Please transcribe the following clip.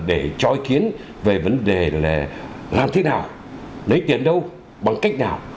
để trói kiến về vấn đề là làm thế nào lấy tiền đâu bằng cách nào